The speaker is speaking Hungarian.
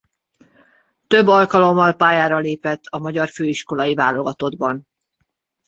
Több alkalommal pályára lépett a magyar főiskolai válogatottban.